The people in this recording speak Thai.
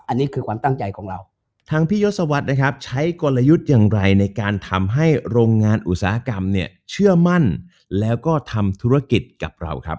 อันนี้คือความตั้งใจของเรา